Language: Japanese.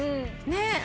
ねえ。